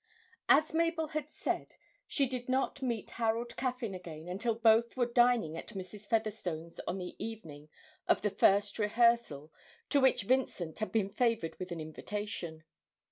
As Mabel had said, she did not meet Harold Caffyn again until both were dining at Mrs. Featherstone's on the evening of the first rehearsal to which Vincent had been favoured with an invitation.